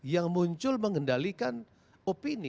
yang muncul mengendalikan opini